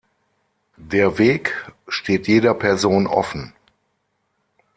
Der Weg steht jeder Person offen.